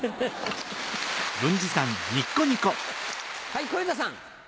はい小遊三さん。